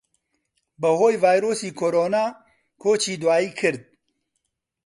بەھۆی ڤایرۆسی کۆرۆنا کۆچی دواییی کرد